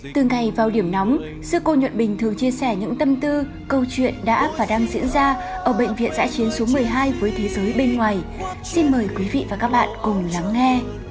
từ ngày vào điểm nóng sư cô nhuận bình thường chia sẻ những tâm tư câu chuyện đã và đang diễn ra ở bệnh viện giã chiến số một mươi hai với thế giới bên ngoài xin mời quý vị và các bạn cùng lắng nghe